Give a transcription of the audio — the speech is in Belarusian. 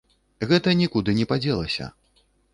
Гэта нікуды не падзелася.